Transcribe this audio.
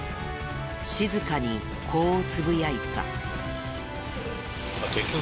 静かにこうつぶやいた。